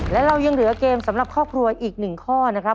และเรายังเหลือเกมสำหรับครอบครัวอีก๑ข้อนะครับ